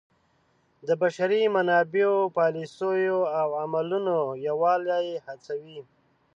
د بشري منابعو پالیسیو او عملونو یووالی هڅوي.